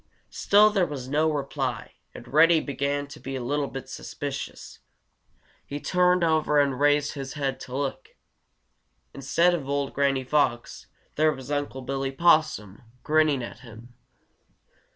Still there was no reply, and Reddy began to be a little bit suspicious. He turned over and raised his head to look. Instead of old Granny Fox, there was Unc' Billy Possum grinning at him.